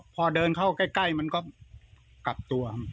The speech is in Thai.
พอเดินเข้าใกล้มันก็กลับตัว